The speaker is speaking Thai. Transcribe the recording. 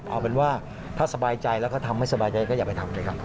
เอาเป็นว่าถ้าสบายใจแล้วก็ทำไม่สบายใจก็อย่าไปทำเลยครับ